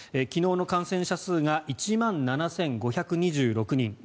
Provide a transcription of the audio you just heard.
昨日の感染者数が１万７５２６人。